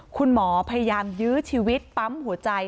คุณหมอพยายามยื้อชีวิตปั๊มหัวใจ